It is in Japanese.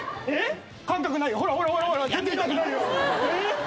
えっ？